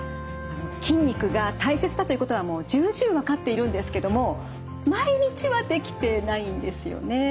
筋肉が大切だということはもう重々分かっているんですけども毎日はできてないんですよね。